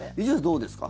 どうですか？